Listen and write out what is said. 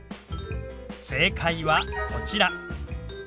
正解はこちら。